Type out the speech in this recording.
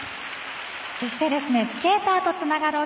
そして「＃スケーターとつながろう」